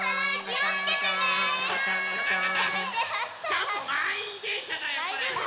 ちょっとまんいんでんしゃだよこれ。